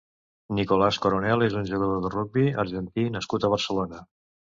Nicolás Coronel és un jugador de rugbi argentí nascut a Barcelona.